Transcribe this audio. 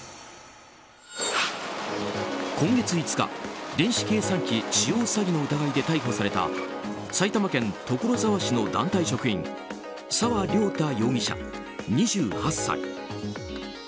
今月５日、電子計算機使用詐欺の疑いで逮捕された埼玉県所沢市の団体職員沢涼太容疑者、２８歳。